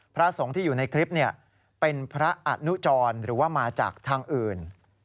พระสงฆ์ที่อยู่ในคลิปเป็นพระอนุจรหรือว่ามาจากทางอื่น